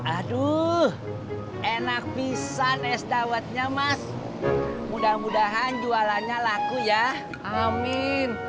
aduh enak bisa nes dawatnya mas mudah mudahan jualannya laku ya amin